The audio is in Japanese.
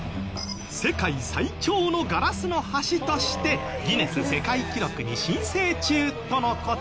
世界最長のガラスの橋としてギネス世界記録に申請中との事。